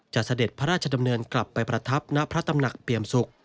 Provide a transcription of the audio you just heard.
เสด็จพระราชดำเนินกลับไปประทับณพระตำหนักเปี่ยมสุข